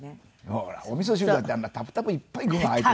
ほらおみそ汁だってあんなたぷたぷいっぱい具も入って。